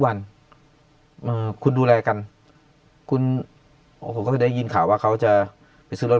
วันคุณดูแลกันคุณโอ้ผมก็ไม่ได้ยินข่าวว่าเขาจะไปซื้อรถ